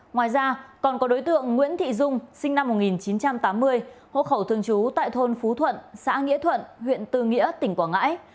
ngoài ra còn có đối tượng nguyễn thị dung sinh năm một nghìn chín trăm tám mươi hộ khẩu thường trú tại thôn phú thuận xã nghĩa thuận huyện tư nghĩa tỉnh quảng ngãi